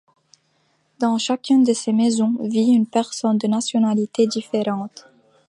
Dans chacune de ces maisons vit une personne de nationalité différente.